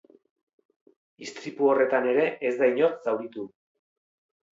Istripu horretan ere ez da inor zauritu.